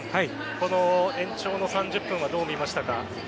この延長の３０分はどう見ましたか？